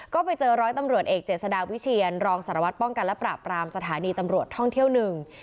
ก็ไปเจอร้อยตำรวจเอกเจษฎาวิเชียนรองสารวัตรป้องกันและปราบรามสถานีตำรวจท่องเที่ยวหนึ่ง